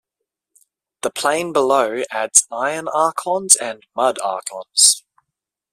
The Plane Below adds Iron Archons and Mud Archons.